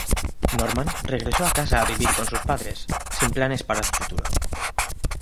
Norman regresó a casa a vivir con sus padres, sin planes para su futuro.